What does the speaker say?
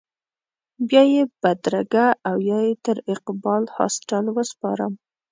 بیا یې بدرګه او یا یې تر اقبال هاسټل وسپارم.